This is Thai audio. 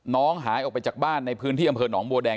หายออกไปจากบ้านในพื้นที่อำเภอหนองบัวแดง